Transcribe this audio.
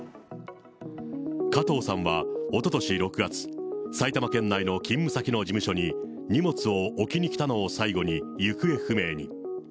加藤さんはおととし６月、埼玉県内の勤務先の事務所に荷物を置きに来たのを最後に行方不明に。